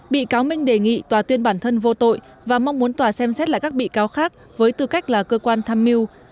bị cáo minh đề nghị tòa tuyên bản thân vô tội và mong muốn tòa xem xét lại các bị cáo khác với tư cách là cơ quan tham mưu